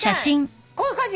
こういう感じ。